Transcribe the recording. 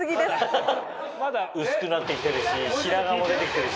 薄くなってきてるし白髪も出てきてるし。